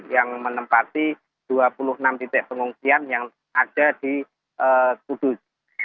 yang menempati dua puluh enam titik pengungsian yang ada di kudus